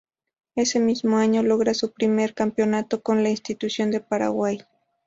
Ese mismo año logra su primer campeonato con la institución de Paraguay.